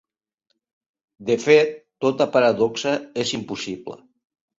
De fet, tota paradoxa és impossible.